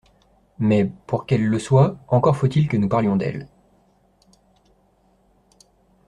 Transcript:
Mais, pour qu’elle le soit, encore faut-il que nous parlions d’elle.